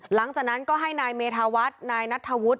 หลังจากนั้นก็ให้นายเมธาวัฒน์นายนัทธวุฒิ